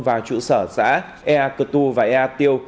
vào trụ sở xã ea cơ tu và ea tiêu